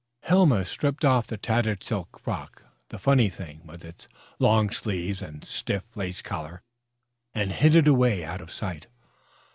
Helma stripped off the tattered silk frock, the funny thing with its long sleeves and stiff lace collar, and hid it away out of sight.